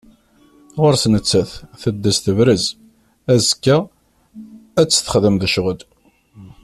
Ɣur-s nettat, teddez tebrez, azekka ad t-texdem d ccɣel.